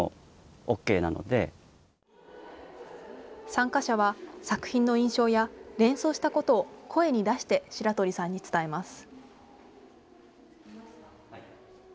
参加者は、作品の印象や連想したことを声に出して白鳥さんに伝えます。